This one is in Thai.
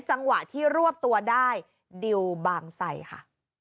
จังหวะที่รวบตัวได้ดิวบางไสค่ะ